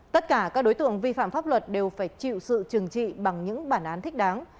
tất cả các đối tượng vi phạm pháp luật đều phải chịu sự trừng trị bằng những bản án thích đáng